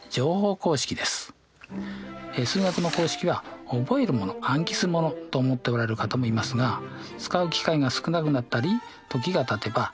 数学の公式は覚えるもの暗記するものと思っておられる方もいますが使う機会が少なくなったり時がたてば誰でも忘れるものです。